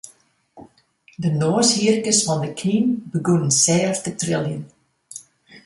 De noashierkes fan de knyn begûnen sêft te triljen.